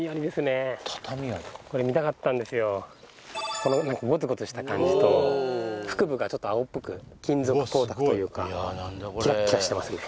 この何かゴツゴツした感じと腹部がちょっと青っぽく金属光沢というかキラッキラしてますよね